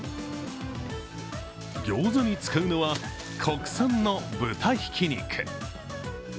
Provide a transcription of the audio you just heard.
ギョーザに使うのは国産の豚ひき肉。